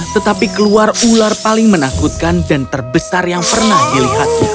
tetapi keluar ular paling menakutkan dan terbesar yang pernah dilihat